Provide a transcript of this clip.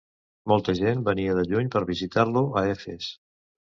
Molta gent venia de lluny per visitar-lo a Efes.